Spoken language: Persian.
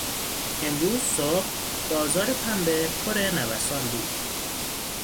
امروز صبح بازار پنبه پر نوسان بود.